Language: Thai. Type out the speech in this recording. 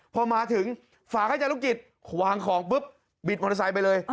พอมาถึงฝากให้จารุกิจวางของปุ๊บบิดมอเตอร์ไซค์ไปเลย